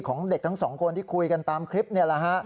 ของเด็กทั้งสองคนที่คุยกันตามคลิปนี่แหละฮะ